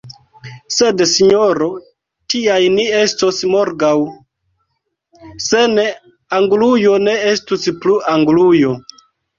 Sed, sinjoro, tiaj ni estos morgaŭ: se ne, Anglujo ne estus plu Anglujo!